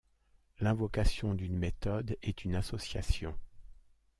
L'invocation d'une méthode est une association.